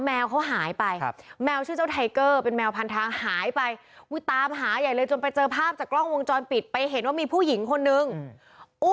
แมวเขาหายไปครับแมวชื่อเจ้าไทเกอร์เป็นแมวพันทางหายไปอุ้ยตามหาใหญ่เลยจนไปเจอภาพจากกล้องวงจรปิดไปเห็นว่ามีผู้หญิงคนนึงอืม